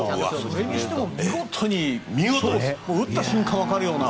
それにしても見事に打った瞬間わかるような。